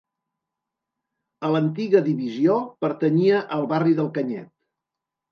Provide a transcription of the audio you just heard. A l'antiga divisió, pertanyia al barri de Canyet.